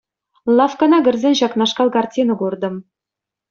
Лавккана кӗрсен ҫакнашкал картина куртӑм.